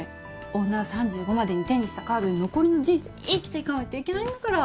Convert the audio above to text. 女は３５までに手にしたカードで残りの人生生きていかないといけないんだから。